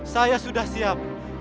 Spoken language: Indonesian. saya sudah siap